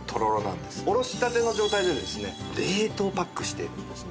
おろしたての状態でですね冷凍パックしているんですね。